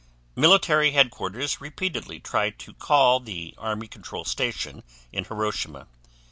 Military headquarters repeatedly tried to call the Army Control Station in Hiroshima.